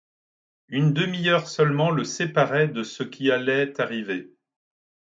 Une demi-heure seulement le séparait de ce qui allait arriver.